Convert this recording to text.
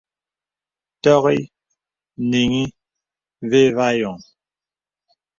Tɔŋì nìŋì və̄ və a yɔ̄ŋ.